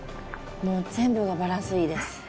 もう全部がバランスいいです。